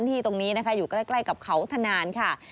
ที่ตรงนี้นะคะอยู่ใกล้กับเขาธนานค่ะ